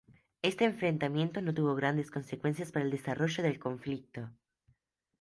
Este enfrentamiento no tuvo grandes consecuencias para el desarrollo del conflicto.